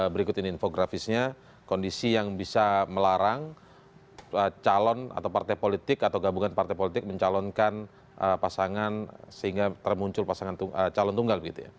berikut ini infografisnya kondisi yang bisa melarang calon atau partai politik atau gabungan partai politik mencalonkan pasangan sehingga termuncul calon tunggal